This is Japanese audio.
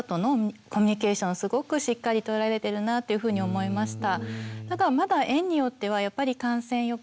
すごくしっかり取られてるなというふうに思いました。